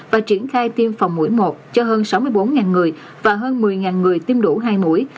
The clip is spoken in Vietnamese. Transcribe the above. và triển khai tiêm phòng mũi một cho hơn sáu mươi bốn người và hơn một mươi người tiêm đủ hai mũi